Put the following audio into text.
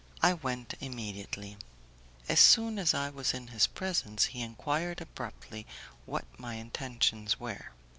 I went immediately. As soon as I was in his presence he enquired abruptly what my intentions were.